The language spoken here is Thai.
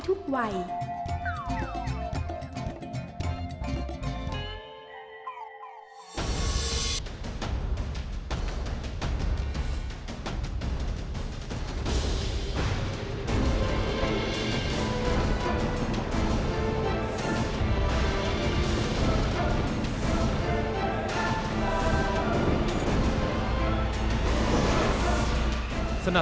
ท้อพลูกดาวน์